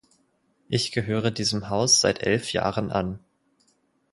Ich gehöre diesem Haus seit elf Jahren an.